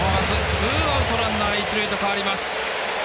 ツーアウト、ランナー、一塁と変わります。